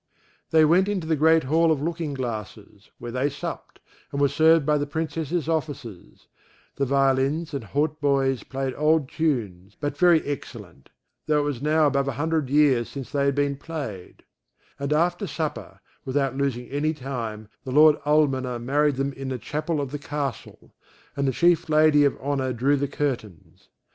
They went into the great hall of looking glasses, where they supped, and were served by the Princess's officers; the violins and hautboys played old tunes, but very excellent, tho' it was now above a hundred years since they had been played; and after supper, without losing any time, the lord almoner married them in the chapel of the castle, and the chief lady of honour drew the curtains.